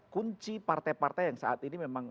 kunci partai partai yang saat ini memang